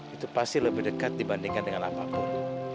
itu pasti lebih dekat dibandingkan dengan apapun